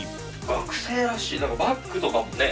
学生らしいバッグとかもね